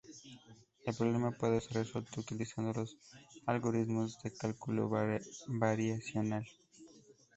El problema puede ser resuelto utilizando los algoritmos del cálculo variacional.